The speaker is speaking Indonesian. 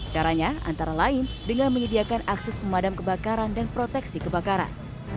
caranya antara lain dengan menyediakan akses pemadam kebakaran dan proteksi kebakaran